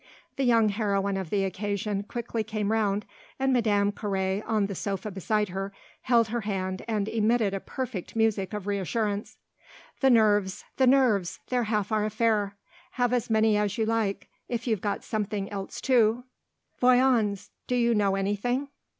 The young heroine of the occasion quickly came round, and Madame Carré, on the sofa beside her, held her hand and emitted a perfect music of reassurance. "The nerves, the nerves they're half our affair. Have as many as you like, if you've got something else too. Voyons do you know anything?"